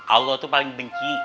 allah tuh paling benci